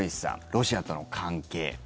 ロシアとの関係。